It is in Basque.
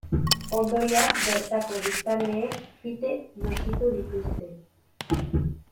Ondorioak bertako biztanleek fite nozitu dituzte.